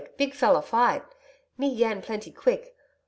big feller fight. Me YAN plenty quick.